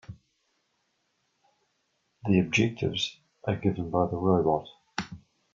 The objectives are given by the robot.